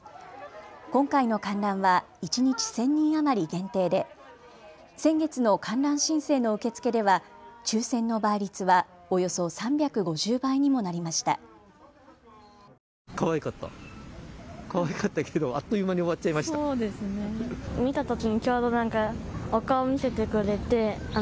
今回の観覧は一日１０００人余り限定で先月の観覧申請の受け付けでは抽せんの倍率はおよそ３５０倍にもなりました。